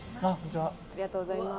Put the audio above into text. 「ありがとうございます」